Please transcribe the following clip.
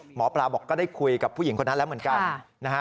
หมอปลาบอกก็ได้คุยกับผู้หญิงคนนั้นแล้วเหมือนกันนะฮะ